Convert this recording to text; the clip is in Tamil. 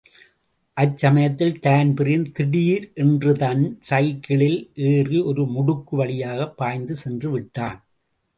அச்சமயத்தில் தான்பிரீன் திடீரென்றுதன் சைக்கிளில் ஏறி ஒரு முடுக்கு வழியாகப் பாய்ந்து சென்று விட்டான்.